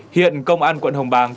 hiện công an quận hồng bàng